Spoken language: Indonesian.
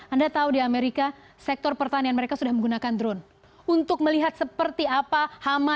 anda tahu di amerika sektor pertanian mereka sudah menggunakan drone untuk melihat seperti apa hama